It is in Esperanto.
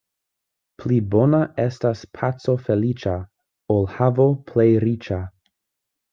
Pli bona estas paco feliĉa, ol havo plej riĉa.